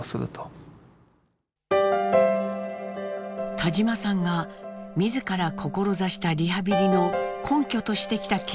田島さんが自ら志したリハビリの根拠としてきた研究があります。